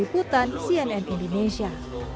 hutan cnn indonesia